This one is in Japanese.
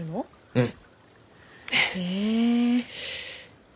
うん！